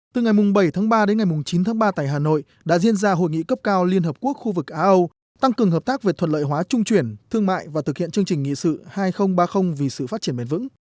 từ ngày bảy tháng ba đến ngày chín tháng ba tại hà nội đã diễn ra hội nghị cấp cao liên hợp quốc khu vực á âu tăng cường hợp tác về thuật lợi hóa trung chuyển thương mại và thực hiện chương trình nghị sự hai nghìn ba mươi vì sự phát triển bền vững